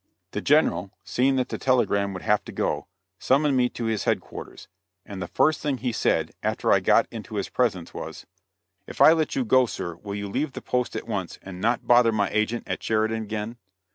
The General, seeing that the telegram would have to go, summoned me to his headquarters, and the first thing he said, after I got into his presence was: "If I let you go, sir, will you leave the post at once and not bother my agent at Sheridan again?"